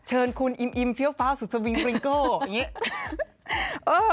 เชิญคุณอิมเฟี้ยวฟ้าสุดสวิงปริงโก้อย่างนี้